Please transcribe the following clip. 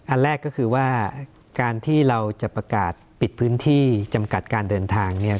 อันแรกก็คือว่าการที่เราจะประกาศปิดพื้นที่จำกัดการเดินทางเนี่ย